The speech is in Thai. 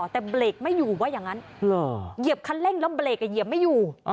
แต่เบรกไม่อยู่ว่าอย่างนั้นเหยียบคันเร่งแล้วเบรกเหยียบไม่อยู่